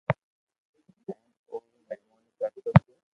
ھين او رو مھموني ڪرتو گيو